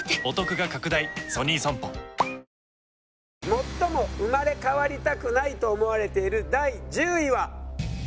最も生まれ変わりたくないと思われている第１０位は。